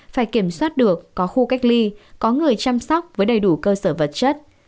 phải kiểm soát được có khu cách ly có người chăm sóc với đầy đủ cơ sở vật chất